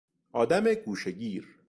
آدم گوشهگیر